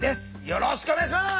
よろしくお願いします。